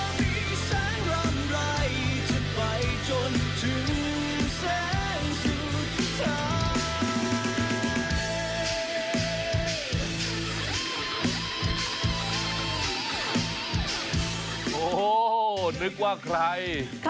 มีแสงรำไรจะไปจนถึงแสงสุดท้าย